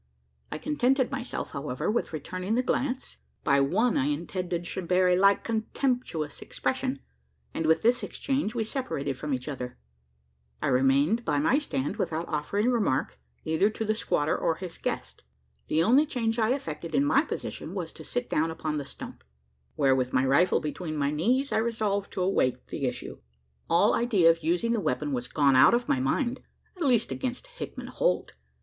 I contented myself, however, with returning the glance, by one I intended should bear a like contemptuous expression; and, with this exchange, we separated from each other. I remained by my stand, without offering remark either to the squatter or his guest. The only change I effected in my position, was to sit down upon the stump where, with my rifle between my knees, I resolved to await the issue. All idea of using the weapon was gone out of my mind at least, against Hickman Holt.